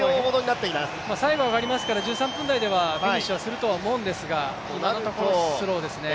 最後上がりますから１３分台ではフィニッシュはするんだと思いますが今のところスローですね。